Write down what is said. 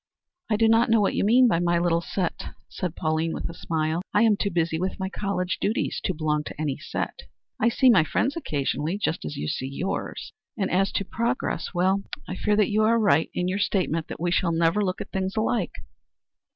"I do not know what you mean by my little set," said Pauline with a smile. "I am too busy with my college duties to belong to any set. I see my friends occasionally just as you see yours; and as to progress well, I fear that you are right in your statement that we shall never look at things alike.